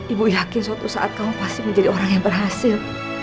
ibu yakin suatu saat kamu pasti menjadi orang yang berhasil